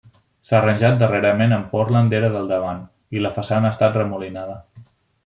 S'ha arranjat darrerament amb pòrtland d'era del davant i la façana ha estat remolinada.